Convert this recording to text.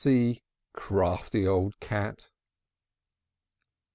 c! Crafty old cat!